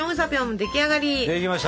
できました！